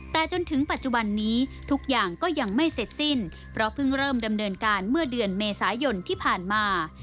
แต่จนถึงปัจจุบันนี้ทุกอย่างก็ยังไม่เสร็จสิ้นเพราะเพิ่งเริ่มดำเนินการเมื่อเดือนเมษายนที่ผ่านมา